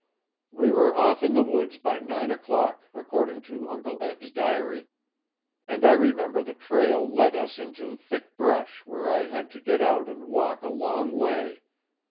We were off in the woods by nine o'clock, according to Uncle Eb's diary, and I remember the trail led us into thick brush where I had to get out and walk a long way.